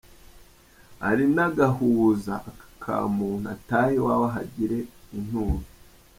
Ari n’Agahuza aka ka Muntu ; Atahe iwawe ahagire Inturo.